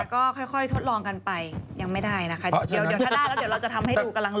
ก็ค่อยทดลองกันไปยังไม่ได้นะคะเดี๋ยวถ้าได้แล้วเดี๋ยวเราจะทำให้ดูกำลัง